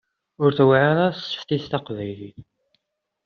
Ur tewɛir ara tseftit taqbaylit.